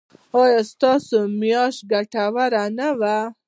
ایا ستاسو میاشت ګټوره نه وه؟